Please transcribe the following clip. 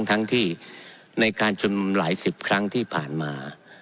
ทั้งที่ในการชุมนุมหลายสิบครั้งที่ผ่านมา